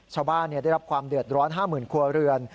ชาวบ้านได้รับความเดือดร้อน๕๐๐๐ครัวเรือน